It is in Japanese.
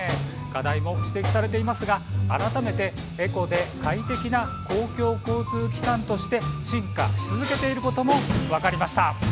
課題も指摘されていますが改めてエコで快適な公共交通機関として進化し続けていることも分かりました。